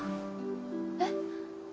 えっ。